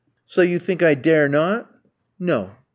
"'So you think I dare not?' "'No.'